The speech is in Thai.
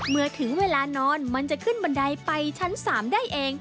เมื่อถึงเวลานอนมันจะขึ้นบันไดไปชั้น๓ได้เอง